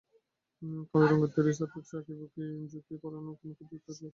কালো রঙের তৈরি সারফেসে আঁকিবুঁকি পুরোনো পরিত্যক্ত বাড়ির রূপ স্পষ্ট করেছে।